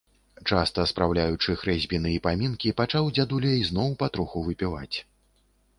Часта спраўляючы хрэсьбіны і памінкі, пачаў дзядуля ізноў патроху выпіваць.